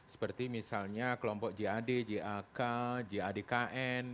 seperti misalnya kelompok gad gak gadkn